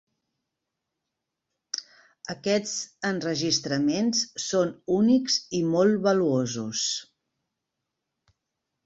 Aquests enregistraments són únics i molt valuosos.